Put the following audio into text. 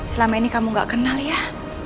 selama ini kamu gak kenal ya